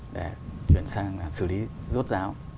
để chuyển sang xử lý rốt ráo